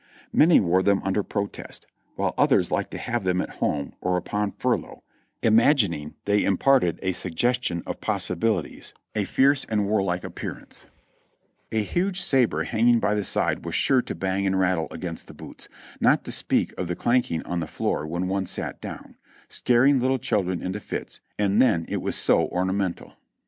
Many wore them under protest, while others liked to have them at home or upon a furlough, im agining they imparted a suggestion of possibilities, a fierce and 422 JOHNNY REB AND BILLY YANK warlike appearance. A huge sabre hanging by the side was sure to bang and rattle against the boots, not to speak of the clanking on the floor when one sat down, scaring little children into fits, and then it was so ornamental.